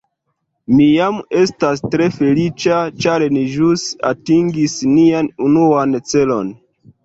Mi jam estas tre feliĉa ĉar ni ĵus atingis nian unuan celon